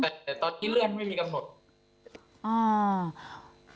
แต่ตอนนี้เรือนไม่มีกำหนด